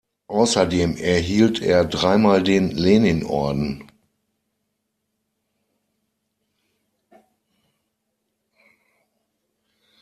Außerdem erhielt er dreimal den Leninorden.